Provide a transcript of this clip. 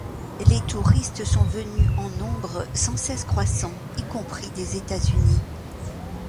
Les touristes sont venus en nombre sans cesse croissant, y compris des États-Unis.